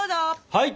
はい！